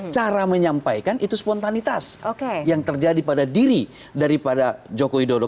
cara menyampaikan itu spontanitas yang terjadi pada diri daripada joko widodo